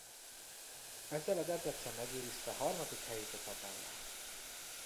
Ezzel a Debrecen megőrizte harmadik helyét a tabellán.